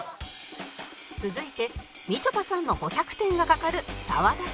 続いてみちょぱさんの５００点がかかる澤田さん